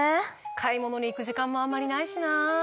買い物に行く時間もあんまりないしなぁ。